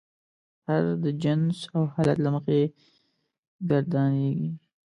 هر د جنس او حالت له مخې ګردانیږي.